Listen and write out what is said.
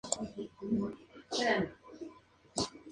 Producida por la Fox.